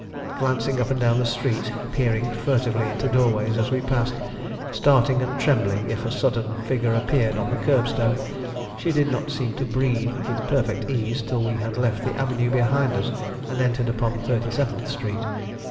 Glancing up and down the street, peering furtively into doorways as we passed, starting and trembling if a sudden figure appeared on the curbstone, she did not seem to breathe with perfect ease till we had left the avenue behind us and entered upon Thirty seventh Street.